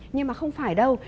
nhưng mà không phải đâu